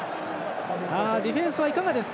ディフェンスはいかがですか？